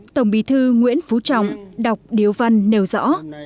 tổng bí thư nguyễn phú trọng đọc điếu văn nêu rõ